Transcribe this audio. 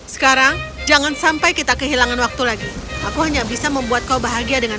sekarang jangan sampai kita kehilangan waktu lagi aku hanya bisa membuat kau bahagia dengan